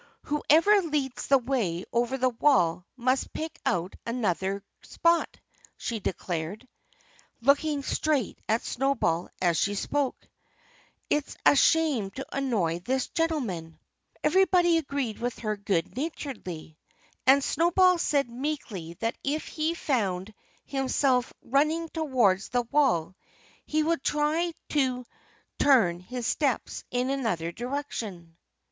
"Whoever leads the way over the wall must pick out another spot," she declared, looking straight at Snowball as she spoke. "It's a shame to annoy this gentleman." Everybody agreed with her good naturedly. And Snowball said meekly that if he found himself running towards the wall he would try to turn his steps in another direction.